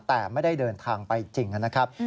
แต่ไม่ได้เดินทางไปจริงนะครับ